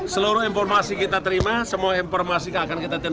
seluruh informasi kita terima semua informasi akan kita terima